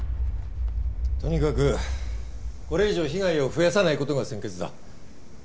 とにかくこれ以上被害を増やさないことが先決だ